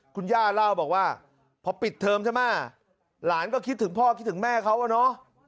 คุณย่าเล่าบอกว่าพอปิดเทอมใช่ไหมหลานก็คิดถึงพ่อคิดถึงแม่เขาอะเนาะ